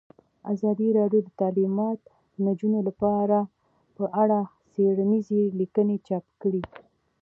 ازادي راډیو د تعلیمات د نجونو لپاره په اړه څېړنیزې لیکنې چاپ کړي.